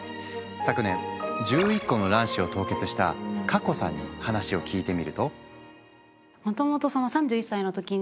昨年１１個の卵子を凍結した佳香さんに話を聞いてみると。